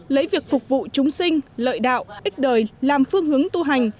lấy việc phục vụ chúng sinh lợi đạo ích đời làm phương hướng tu hành